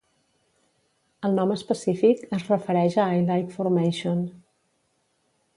El nom específic es refereix a Ilike Formation.